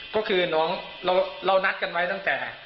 ก็คือน้องเรานัดกันไว้ตั้งแต่